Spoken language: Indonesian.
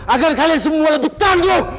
agar kalian semua lebih tangguh